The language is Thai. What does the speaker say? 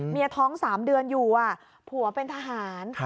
ท้อง๓เดือนอยู่ผัวเป็นทหาร